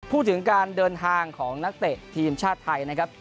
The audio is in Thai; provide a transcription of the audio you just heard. พูดถึงการเดินทางของนักเตะทีมชาติไทยนะครับ